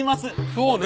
そうね。